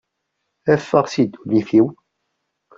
Ffeɣ si ddunit-iw!